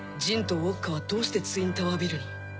ウォッカはどうしてツインタワービルに